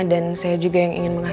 dan saya juga yang mencari kesempatan